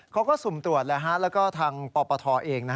เขาก็สุ่มตรวจแล้วแล้วก็ทางปปธเอง